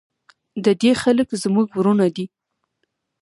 د دې خلک زموږ ورونه دي؟